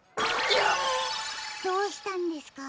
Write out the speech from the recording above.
どうしたんですか？